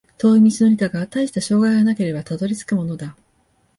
遠い道のりだが、たいした障害がなければたどり着くものだ